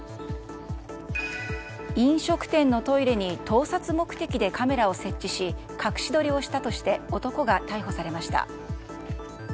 飲食店のトイレに盗撮目的でカメラを設置し隠し撮りをしたとして男が逮捕されました。